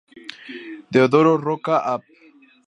Deodoro Roca- Av.